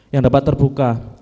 yang dapat terbuka